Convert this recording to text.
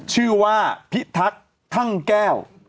ชื่อว่าพิทักษ์ทั่งแก้ว